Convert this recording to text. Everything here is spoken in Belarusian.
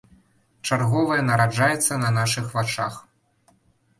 Чарговая нараджаецца на нашых вачах.